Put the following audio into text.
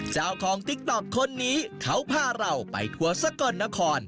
เจ้าของติ๊กต๊อบคนนี้เขาพาเราไปทั่วสกรนคร